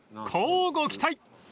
［乞うご期待］